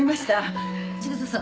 千草さん